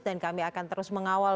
dan kami akan terus mengawal